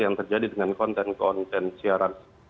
yang terjadi dengan konten konten siaran